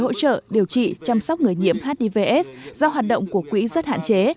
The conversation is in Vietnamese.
quỹ hỗ trợ điều trị chăm sóc người nhiễm hiv aids do hoạt động của quỹ rất hạn chế